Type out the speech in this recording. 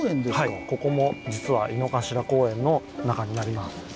はいここも実は井の頭公園の中になります。